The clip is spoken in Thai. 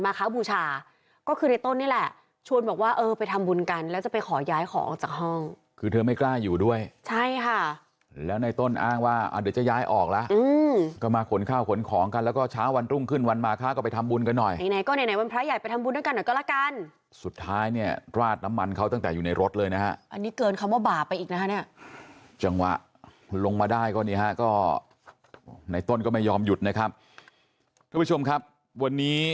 มาค้าบูชาก็คือในต้นนี่แหละชวนบอกว่าเออไปทำบุญกันแล้วจะไปขอย้ายของออกจากห้องคือเธอไม่กล้าอยู่ด้วยใช่ค่ะแล้วในต้นอ้างว่าเดี๋ยวจะย้ายออกล่ะอืมก็มาขนข้าวขนของกันแล้วก็เช้าวันตรุงขึ้นวันมาค้าก็ไปทำบุญกันหน่อยไหนก็ไหนวันพระใหญ่ไปทำบุญด้วยกันหน่อยก็ละกันสุดท้ายเน